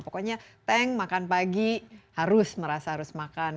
pokoknya tank makan pagi harus merasa harus makan